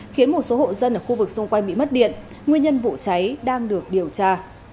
khiến một số hộ dân ở khu vực xung quanh bị mất điện nguyên nhân vụ cháy đang được điều tra